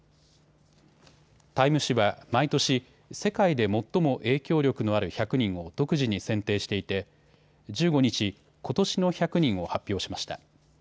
タイム誌は毎年、世界で最も影響力のある１００人を独自に選定していて１５日、ことしの１００人を発表しました。